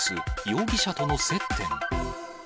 容疑者との接点。